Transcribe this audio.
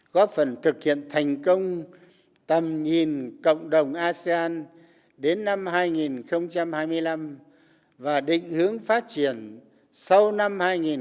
góp phần thực hiện thành công tầm nhìn cộng đồng asean đến năm hai nghìn hai mươi năm và định hướng phát triển sau năm hai nghìn ba mươi